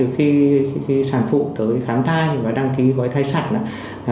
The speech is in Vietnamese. khi sản phụ tới khám thai và đăng ký gói thai sản